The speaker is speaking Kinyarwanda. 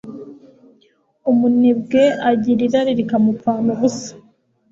umunebwe agira irari rikamupfana ubusa